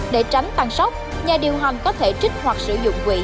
để tránh tăng sốc nhà điều hành có thể trích hoặc sử dụng quỹ